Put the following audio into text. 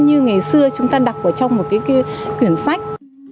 như ngày xưa chúng ta đọc vào trong một quyển sách